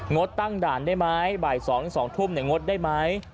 ดตั้งด่านได้ไหมบ่าย๒๒ทุ่มงดได้ไหม